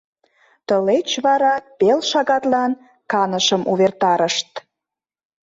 Тылеч вара пел шагатлан канышым увертарышт.